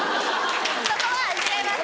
そこは違います